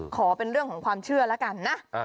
ขอเป็นเรื่องของความเชื่อแล้วกันนะ